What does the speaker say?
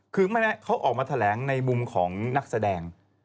คือเขาออกมาแถลงในมุมของนักแสดง